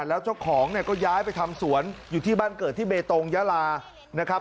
แล้วเจ้าของเนี่ยก็ย้ายไปทำสวนอยู่ที่บ้านเกิดที่เบตงยาลานะครับ